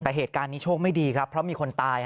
แต่เหตุการณ์นี้โชคไม่ดีครับเพราะมีคนตาย